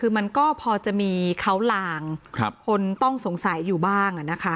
อะมันก็พอจะมีเคราะห์ล่างครับคนต้องสงสัยอยู่บ้างอ่ะนะคะ